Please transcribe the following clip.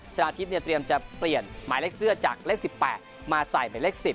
ชนะทิพย์เตรียมจะเปลี่ยนหมายเลขเสื้อจากเลข๑๘มาใส่หมายเลข๑๐